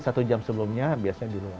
satu jam sebelumnya biasanya di luar